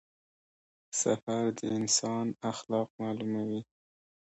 سفر د انسان اخلاق معلوموي.